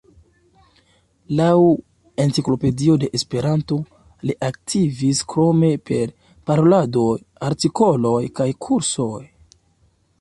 Laŭ "Enciklopedio de Esperanto", li aktivis krome per paroladoj, artikoloj kaj kursoj.